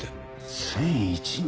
１００１人！？